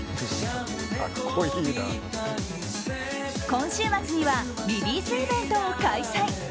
今週末にはリリースイベントを開催。